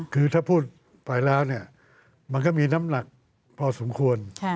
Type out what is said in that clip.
คือถ้าพูดไปแล้วเนี่ยมันก็มีน้ำหนักพอสมควร